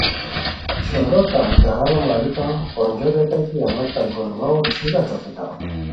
چھورو تہ اژدھارو ماریتام، پونجو ریتائے کی اوا تہ گور واؤو ݯھیرا ݯوکیتام